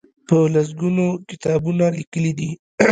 په لس ګونو کتابونه لیکلي دي.